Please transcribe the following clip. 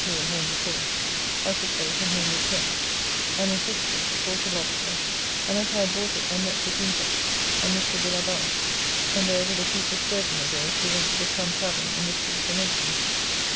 Hewer home before), I took boat and homewards went, and in Fish Street bought a Lobster, and as I had bought it I met with Winter and Mr. Delabarr, and there with a piece of sturgeon of theirs we went to the Sun Tavern in the street and ate them.